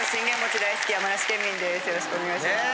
よろしくお願いします。